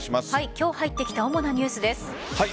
今日入ってきた主なニュースです。